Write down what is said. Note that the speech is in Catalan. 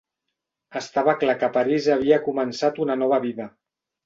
Estava clar que a París havia començat una nova vida.